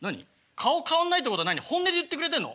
顔変わんないってことは本音で言ってくれてんの？